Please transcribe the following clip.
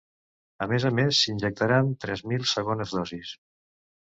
A més a més, s’injectaran tres mil segones dosis.